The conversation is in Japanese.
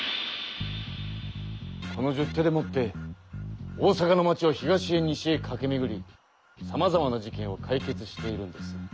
この十手でもって大阪の町を東へ西へかけめぐりさまざまな事件を解決しているんです。